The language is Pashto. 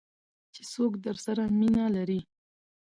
چې څوک درسره مینه لري .